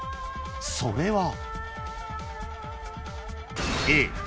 それは］